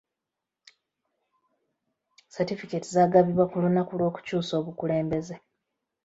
Satifukeeti zaagabibwa ku lunaku lw'okukyusa obukulembeze.